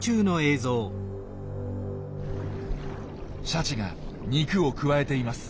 シャチが肉をくわえています。